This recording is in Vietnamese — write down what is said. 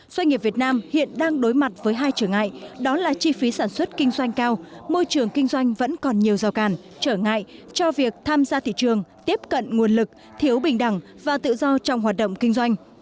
doanh nghiệp việt nam hiện đang đối mặt với hai trở ngại đó là chi phí sản xuất kinh doanh cao môi trường kinh doanh vẫn còn nhiều rào càn trở ngại cho việc tham gia thị trường tiếp cận nguồn lực thiếu bình đẳng và tự do trong hoạt động kinh doanh